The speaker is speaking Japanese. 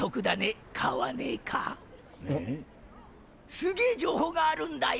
すげえ情報があるんだよ！